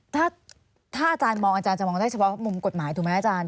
ถ้าอาจารย์มองอาจารย์จะมองได้เฉพาะมุมกฎหมายถูกไหมอาจารย์